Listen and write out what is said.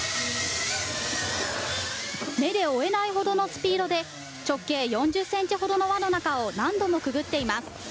目で追えないほどのスピードで、直径４０センチほどの輪の中を何度もくぐっています。